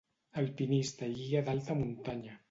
Alpinista i guia d’alta muntanya.